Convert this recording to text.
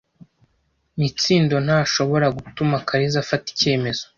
Mitsindo ntashobora gutuma Kariza afata icyemezo.